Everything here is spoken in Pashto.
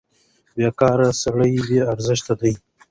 بېکاره سړی بې ارزښته دی.